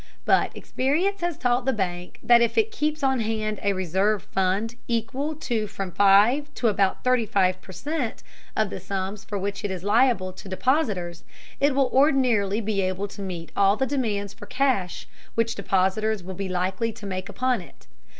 But experience has taught the bank that if it keeps on hand a reserve fund equal to from five to about thirty five per cent of the sums for which it is liable to depositors, it will ordinarily be able to meet all the demands for cash which depositors will be likely to make upon it.